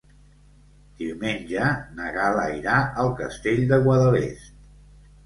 Diumenge na Gal·la irà al Castell de Guadalest.